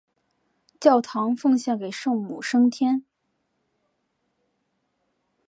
教堂奉献给圣母升天。